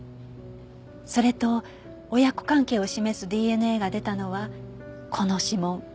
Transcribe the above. それと親子関係を示すＤＮＡが出たのはこの指紋。